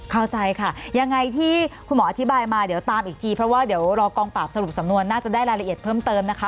เข้าใจค่ะยังไงที่คุณหมออธิบายมาเดี๋ยวตามอีกทีเพราะว่าเดี๋ยวรอกองปราบสรุปสำนวนน่าจะได้รายละเอียดเพิ่มเติมนะคะ